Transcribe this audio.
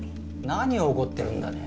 何を怒ってるんだね？